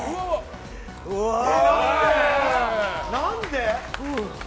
何で？